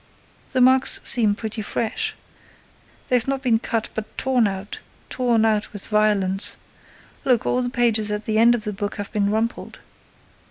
The marks seem pretty fresh. They've not been cut, but torn out—torn out with violence. Look, all the pages at the end of the book have been rumpled."